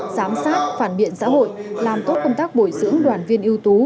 giám sát phản biện xã hội làm tốt công tác bồi dưỡng đoàn viên ưu tú